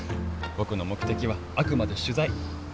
僕の目的はあくまで取材。